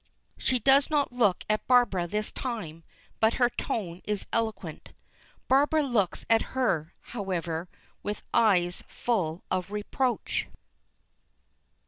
She does not look at Barbara this time, but her tone is eloquent. Barbara looks at her, however, with eyes full of reproach.